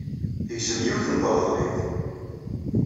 Tegzem yiwet n treḍlimt.